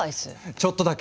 ちょっとだけ！